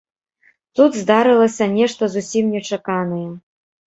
Тут здарылася нешта зусім нечаканае.